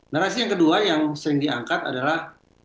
narasi yang kedua yang sering diangkat adalah